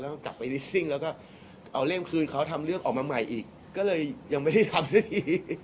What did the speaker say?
แล้วก็กลับไปลิสซิ่งแล้วก็เอาเล่มคืนเขาทำเรื่องออกมาใหม่อีกก็เลยยังไม่ได้ทำสักที